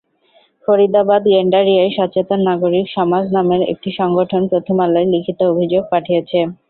ফরিদাবাদ-গেন্ডারিয়ায় সচেতন নাগরিক সমাজ নামের একটি সংগঠন প্রথম আলোয় লিখিত অভিযোগ পাঠিয়েছে।